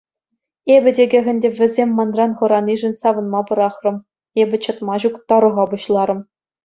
Эпӗ текех ӗнтӗ вӗсем манран хӑранишӗн савӑнма пӑрахрӑм — эпӗ чӑтма ҫук тарӑха пуҫларӑм.